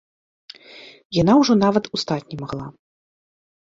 Яна ўжо нават устаць не магла.